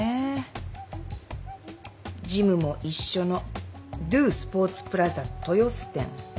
ジムも一緒のドゥ・スポーツプラザ豊洲店。